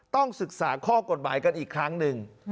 ต้องศึกษาข้อกฎหมายกันอีกครั้งหนึ่ง